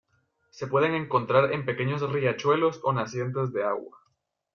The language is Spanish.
Se pueden encontrar en pequeños riachuelos o nacientes de agua.